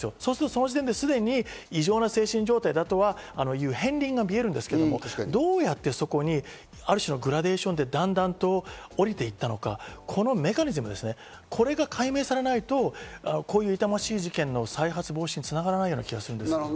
その時点ですでに異常な精神状態だという片りんが見えるんですけど、どうやってそこにある種のグラデーションでだんだんとおりて行ったのか、このメカニズムですね、これが解明されないと、こういう痛ましい事件の再発防止に繋がらないような気がするんですけど。